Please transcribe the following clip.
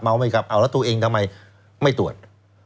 เอาแล้วตัวเองทำไมไม่ตรวจ